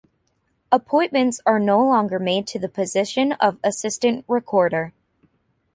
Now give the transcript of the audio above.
Appointments are no longer made to the position of Assistant Recorder.